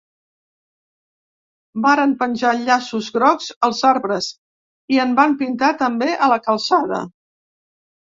Varen penjar llaços grocs als arbres i en van pintar també a la calçada.